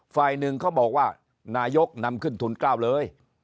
ฝ่ายหนึ่งเขาบอกว่านายกนำขึ้นทุน๙เลย